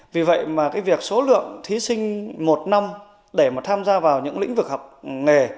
vì vậy mà cái việc số lượng thí sinh một năm để mà tham gia vào những lĩnh vực học nghề